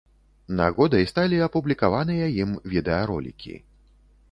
Нагодай сталі апублікаваныя ім відэаролікі.